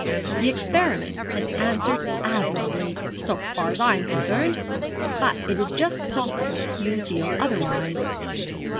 The experiment has answered admirably, so far as I am concerned. But it is just possible you feel otherwise.